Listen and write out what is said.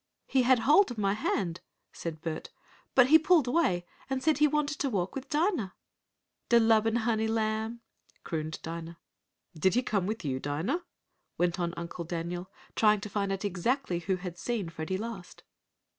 "He had hold of my hand," said Bert, "but he pulled away and said he wanted to walk with Dinah." "De lubbin honey lamb!" crooned Dinah. "Did he come with you, Dinah?" went on Uncle Daniel, trying to find out exactly who had seen Freddie last.